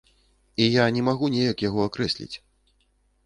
І я не магу неяк яго акрэсліць.